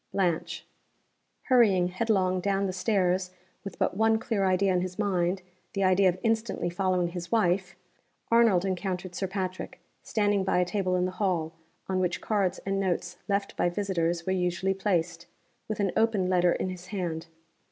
Blanche." Hurrying headlong down the stairs with but one clear idea in his mind the idea of instantly following his wife Arnold encountered Sir Patrick, standing by a table in the hall, on which cards and notes left by visitors were usually placed, with an open letter in his hand.